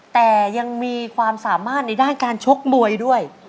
แต่ยังมีความสามารถในด้านการชกมวยด้วย